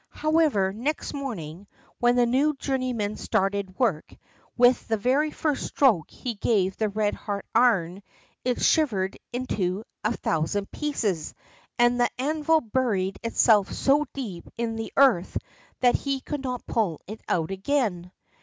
However, next morning when the new journeyman started work, with the very first stroke he gave the red hot iron, it shivered into a thousand pieces, and the anvil buried itself so deep in the earth that he could not pull it out again.